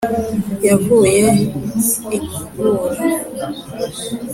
yavuye i muhura